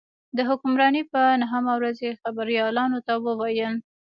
د حکمرانۍ په نهمه ورځ یې خبریالانو ته وویل.